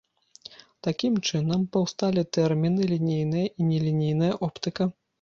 Такім чынам паўсталі тэрміны лінейная і нелінейная оптыка.